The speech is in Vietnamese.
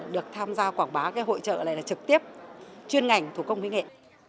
được tham gia quảng bá cái hội trợ này là trực tiếp chuyên ngành thủ công mỹ nghệ